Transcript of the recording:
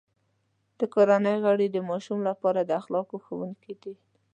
د کورنۍ غړي د ماشوم لپاره د اخلاقو ښوونکي دي.